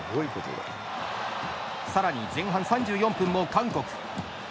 さらに前半３４分も韓国。